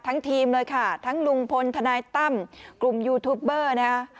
ทีมเลยค่ะทั้งลุงพลทนายตั้มกลุ่มยูทูปเบอร์นะฮะ